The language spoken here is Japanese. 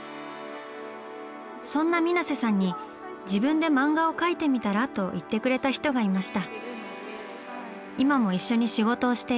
そんな水瀬さんに自分で漫画を描いてみたらと言ってくれた人がいました。